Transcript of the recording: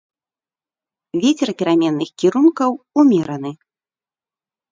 Вецер пераменных кірункаў, умераны.